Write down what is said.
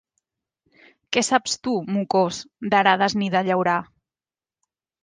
Què saps tu, mocós, d'arades ni de llaurar?